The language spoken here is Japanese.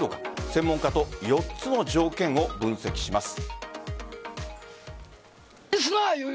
専門家と４つの条件を分析します。